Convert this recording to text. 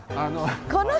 この人？